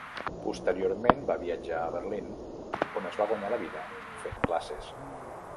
Posteriorment va viatjar a Berlín, on es va guanyar la vida fent classes.